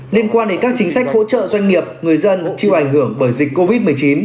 liên quan đến các chính sách hỗ trợ doanh nghiệp người dân chịu ảnh hưởng bởi dịch covid một mươi chín